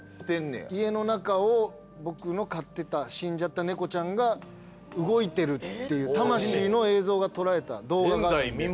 家の中を僕の飼ってた死んじゃった猫ちゃんが動いてるっていう魂の映像がとらえた動画があるんで。